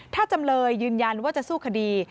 ถ้าจำเลยยืนยันว่าจะสู้คดี